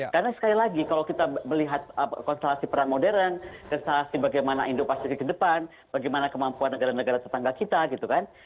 karena sekali lagi kalau kita melihat konstelasi perang modern konstelasi bagaimana indo pasifik ke depan bagaimana kemampuan negara negara tetangga kita gitu kan